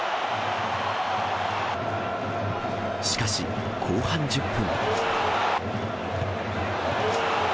しかし、後半１０分。